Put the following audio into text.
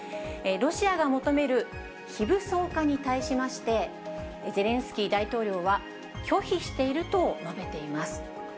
ロシアが求める非武装化に対しまして、ゼレンスキー大統領は拒否していると述べています。